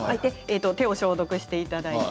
手を消毒していただいて。